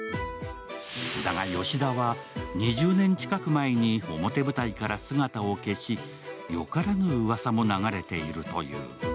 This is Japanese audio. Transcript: だが、ヨシダは２０年近く前に表舞台から姿を消しよからぬうわさも流れているという。